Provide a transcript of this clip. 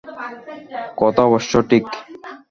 কথা অবশ্য ঠিক।